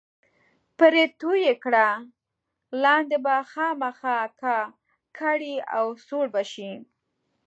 پرې توی یې کړه، لاندې به خامخا کا کړي او سوړ به شي.